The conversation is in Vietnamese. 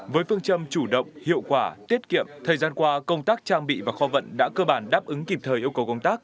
với phương châm chủ động hiệu quả tiết kiệm thời gian qua công tác trang bị và kho vận đã cơ bản đáp ứng kịp thời yêu cầu công tác